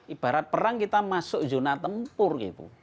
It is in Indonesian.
ibarat perang kita masuk zona tempur gitu